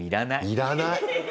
要らない。